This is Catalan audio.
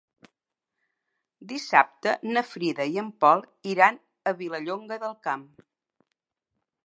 Dissabte na Frida i en Pol iran a Vilallonga del Camp.